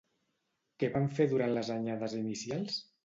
Què van fer durant les anyades inicials?